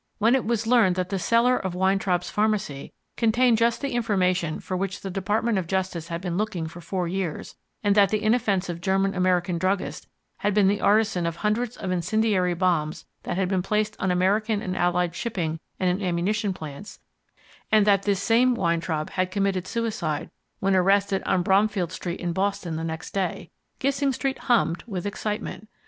When it was learned that the cellar of Weintraub's pharmacy contained just the information for which the Department of Justice had been looking for four years, and that the inoffensive German American druggist had been the artisan of hundreds of incendiary bombs that had been placed on American and Allied shipping and in ammunition plants and that this same Weintraub had committed suicide when arrested on Bromfield Street in Boston the next day Gissing Street hummed with excitement.